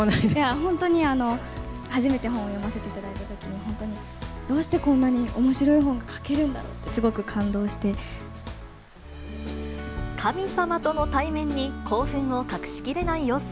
本当に、初めて本を読ませていただいたときに、本当に、どうしてこんなにおもしろい本が書けるんだろうって、すごく感動神様との対面に、興奮を隠しきれない様子。